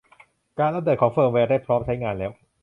การอัพเดตของเฟิร์มแวร์ได้พร้อมใช้งานแล้ว